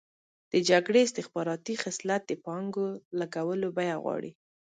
د جګړې استخباراتي خصلت د پانګو لګولو بیه غواړي.